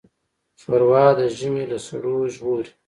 ښوروا د ژمي له سړو ژغوري.